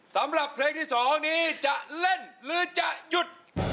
สำหรับเพลงที่๒นี้จะเล่นหรือจะหยุด